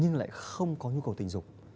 nhưng lại không có nhu cầu tình dục